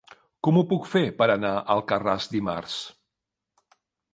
Com ho puc fer per anar a Alcarràs dimarts?